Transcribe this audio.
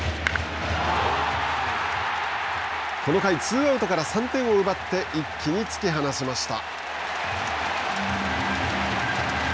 この回、ツーアウトから３点を奪って一気に突き放しました。